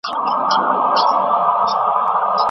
په هره ټولنه کي د خلکو ژمنتیا ستایل کېږي.